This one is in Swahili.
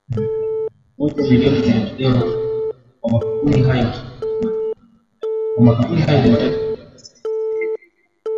moja milioni zilitolewa kwa makampuni hayo Jumatatu kulipa sehemu ya deni hilo